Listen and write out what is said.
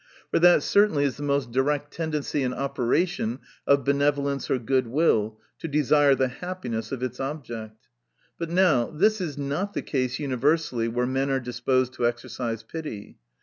For that certainly is the most direct tendency and operation of benevolence or good will, to desire the happiness of its object. But now this is not the case universally, where men are disposed to exercise pity.